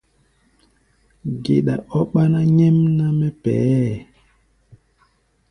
Geɗa ɔ́ ɓáná nyɛmná mɛ́ pɛʼɛ́ɛ.